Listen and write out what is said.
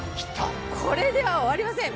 これでは終わりません！